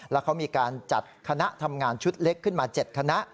แล้วเขามีการจัดคณะทำงานชุดเล็กขึ้นมา๗คณะ